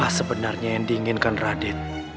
apa sebenarnya yang diinginkan raden